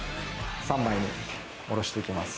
３枚におろしていきます。